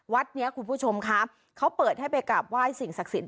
วัดนี้คุณผู้ชมคะเค้าเปิดให้ไปกลับว่ายสิ่งศักดิ์ศิษย์